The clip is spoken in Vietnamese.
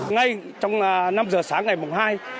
ngay trong năm giờ sáng ngày mùng hai